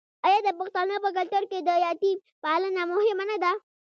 آیا د پښتنو په کلتور کې د یتیم پالنه مهمه نه ده؟